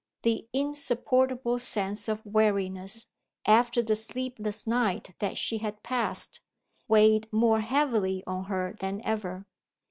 The insupportable sense of weariness, after the sleepless night that she had passed, weighed more heavily on her than ever.